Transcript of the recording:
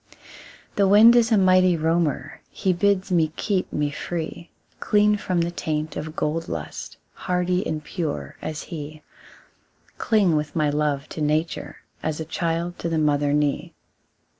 The wind is a mighty roamer; He bids me keep me free, Clean from the taint of the gold lust, Hardy and pure as he; Cling with my love to nature, As a child to the mother knee.